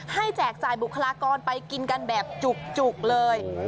แจกจ่ายบุคลากรไปกินกันแบบจุกเลย